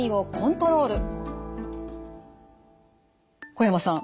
小山さん